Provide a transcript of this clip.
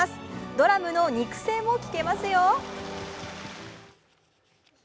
ドラムの肉声も聞けますよ。